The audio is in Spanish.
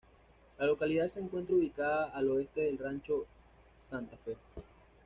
La localidad se encuentra ubicada al oeste de Rancho Santa Fe.